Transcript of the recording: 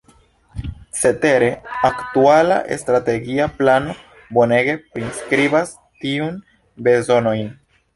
Cetere, aktuala Strategia Plano bonege priskribas tiun bezonojn.